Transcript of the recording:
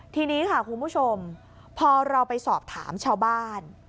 ทีนี้ค่ะคุณผู้ชมพอเราไปสอบถามชาวบ้าน